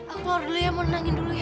aku keluar dulu ya mau nengangin dulu ya